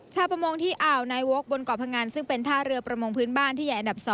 ชาวประมงที่อ่าวนายวกบนเกาะพงันซึ่งเป็นท่าเรือประมงพื้นบ้านที่ใหญ่อันดับ๒